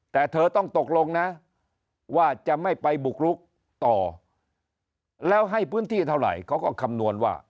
แต่เธอต้องตกลงนะว่าจะไม่ไปบุกลุกต่อแล้วให้พื้นที่เท่าไหร่เขาก็คำนวณว่า